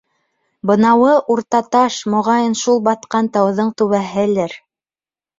Бынауы Уртаташ, моғайын, шул батҡан тауҙың түбәһелер...